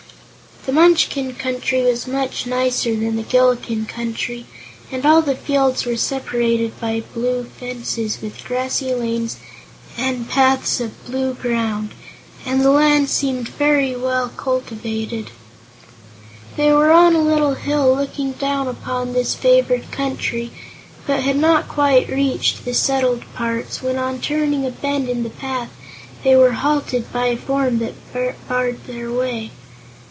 The Munchkin Country was much nicer than the Gillikin Country, and all the fields were separated by blue fences, with grassy lanes and paths of blue ground, and the land seemed well cultivated. They were on a little hill looking down upon this favored country, but had not quite reached the settled parts, when on turning a bend in the path they were halted by a form that barred their way.